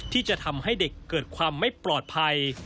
ที่จะทำให้เด็กเกิดความไม่ปลอดภัย